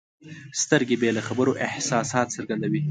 سترګې بې له خبرو احساسات څرګندوي.